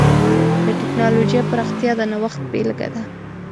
د ټکنالوجۍ پراختیا د نوښت بېلګه ده.